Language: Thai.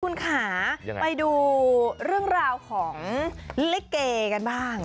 คุณค่ะไปดูเรื่องราวของลิเกกันบ้าง